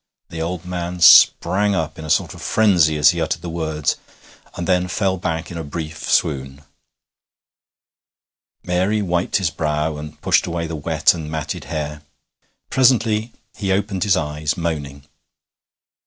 The old man sprang up in a sort of frenzy as he uttered the words, and then fell back in a brief swoon. Mary wiped his brow, and pushed away the wet and matted hair. Presently he opened his eyes, moaning. Mr.